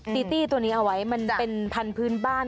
ตีตี้ตัวนี้เอาไว้มันเป็นพันธุ์พื้นบ้าน